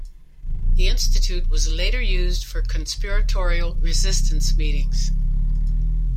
The Institute was later used for conspiratorial resistance meetings.